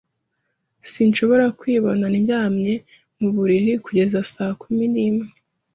Sinshobora kwibona ndyamye mu buriri kugeza saa kumi n'imwe.